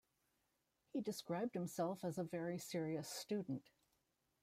He described himself as a very serious student.